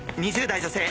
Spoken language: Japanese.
２０代女性。